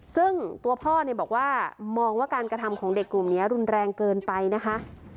ซึ่งตัวพ่อเนี่ยบอกว่ามองว่าการกระทำของเด็กกลุ่มนี้รุนแรงเกินไปนะคะ